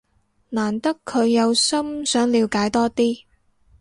難得佢有心想了解多啲